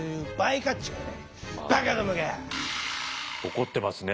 怒ってますね。